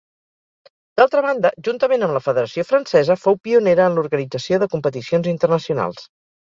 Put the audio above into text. D'altra banda, juntament amb la federació francesa, fou pionera en l'organització de competicions internacionals.